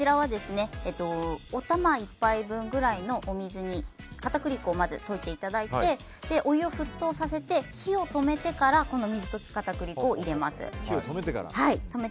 おたま１杯分ぐらいのお水に片栗粉をまず溶いていただいてお湯を沸騰させて火を止めてからこの水溶き片栗粉を入れます。